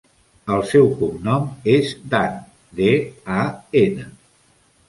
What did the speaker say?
El seu cognom és Dan: de, a, ena.